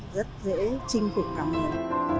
rất dễ chinh cục trong người